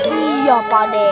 iya pak d